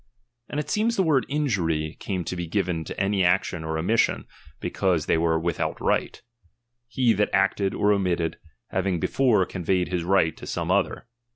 And it seems the word injury came to be given to any action or omission, be cause they were without right ; he that acted or omitted, having before conveyed his right to some other.